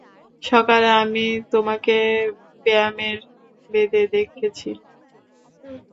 সকালে আমি তোমাকে ব্যায়ামের বেঁধে দেখেছি।